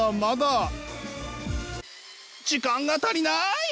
時間が足りない。